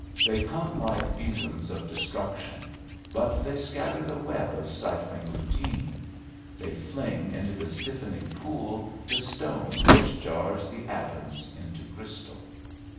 They come like besoms of destruction, but they scatter the web of stifling routine; they fling into the stiffening pool the stone which jars the atoms into crystal.